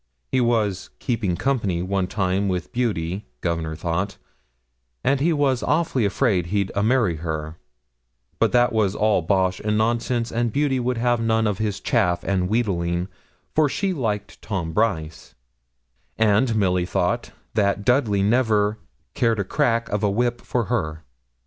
He was 'keeping company one time with Beauty, Governor thought, and he was awfully afraid he'd a married her; but that was all bosh and nonsense; and Beauty would have none of his chaff and wheedling, for she liked Tom Brice;' and Milly thought that Dudley never 'cared a crack of a whip for her.'